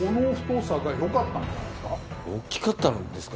おっきかったんですか？